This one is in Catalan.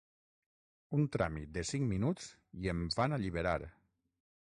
Un tràmit de cinc minuts i em van alliberar.